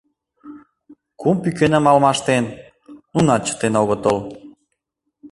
Кум пӱкеным алмаштен — нунат чытен огытыл.